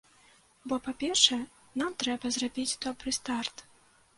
Бо, па-першае, нам трэба зрабіць добры старт.